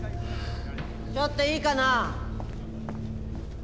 ちょっといいかな。